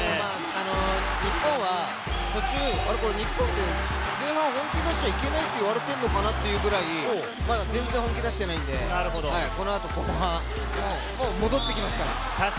日本は途中、日本って前半本気出しちゃいけないって言われてるのかなというくらい、全然本気出してないんで、このあと後半、もう戻ってきますから。